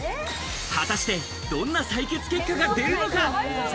果たしてどんな採血結果が出るのか。